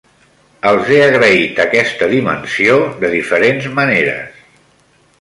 Els he agraït aquesta dimensió de diferents maneres.